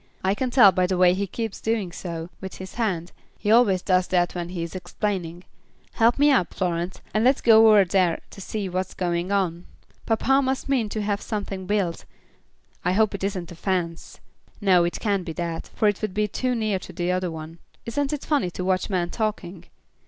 I can tell by the way he keeps doing so, with his hand. He always does that when he is explaining. Help me up, Florence, and let's go over there and see what's going on. Papa must mean to have something built. I hope it isn't a fence. No, it can't be that, for it would be too near the other one. Isn't it funny to watch men talking?